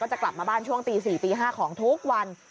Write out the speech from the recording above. จะกลับมาบ้านช่วงตี๔ตี๕ของทุกวัน